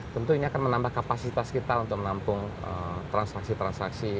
tentunya akan menambah kapasitas kita untuk menampung transaksi transaksi